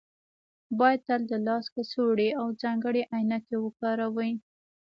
باید تل د لاس کڅوړې او ځانګړې عینکې وکاروئ